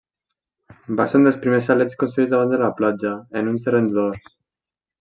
Va ser un dels primers xalets construïts davant de la platja, en uns terrenys d'horts.